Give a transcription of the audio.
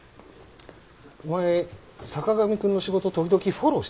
お前坂上くんの仕事時々フォローしてたよな？